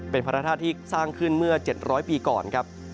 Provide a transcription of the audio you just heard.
เป็นพระธาตุที่สร้างขึ้นเมื่อ๗๐๐ปีก่อนครับ